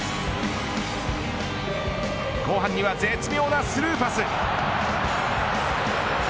後半には、絶妙なスルーパス。